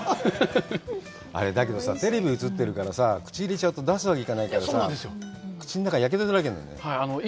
あれだけどさテレビ映ってるからさ口入れちゃうと出すわけいかないからさ口の中やけどだらけなんじゃない？